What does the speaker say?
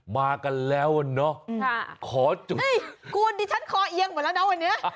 มากันแล้วอ่ะเนอะขอจุดคุณดิฉันคอเอียงหมดแล้วนะวันนี้